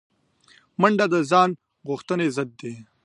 منډه د ځان غوښتنې ضد ده